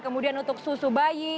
kemudian untuk susu bayi